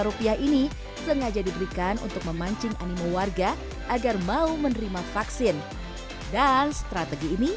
rupiah ini sengaja diberikan untuk memancing animo warga agar mau menerima vaksin dan strategi ini